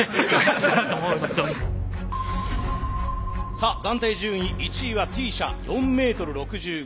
さあ暫定順位１位はＴ社４メートル６５。